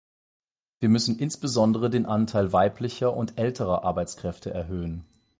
Wir müssen insbesondere den Anteil weiblicher und älterer Arbeitskräfte erhöhen.